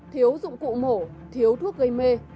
thiếu dụng cụ mổ thiếu thuốc gây mê